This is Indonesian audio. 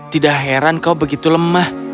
tidak heran kau begitu lemah